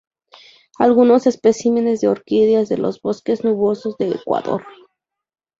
Algunos especímenes de orquídeas de los bosques nubosos de Ecuador.